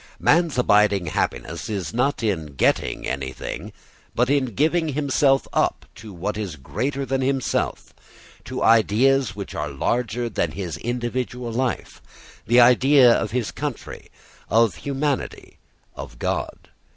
Man's abiding happiness is not in getting anything but in giving himself up to what is greater than himself, to ideas which are larger than his individual life, the idea of his country, of humanity, of God.